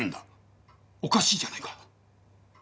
おかしいじゃないか。